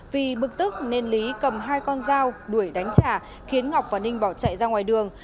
vì bực tức nên lý cầm hai con dao đuổi đánh trả khiến ngọc và ninh bỏ chạy ra ngoài đường